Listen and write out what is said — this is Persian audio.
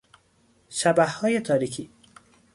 شبحهای تاریکی